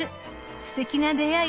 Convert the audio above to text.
すてきな出会い